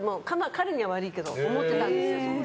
彼には悪いけど思ってたんです。